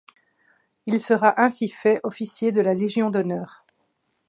Il sera ainsi fait officier de la Légion d'Honneur.